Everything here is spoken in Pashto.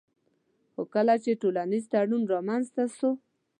خو کله چي ټولنيز تړون رامنځته سو